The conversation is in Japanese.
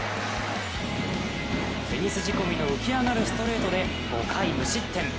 テニス仕込みの浮き上がるストレートで５回無失点。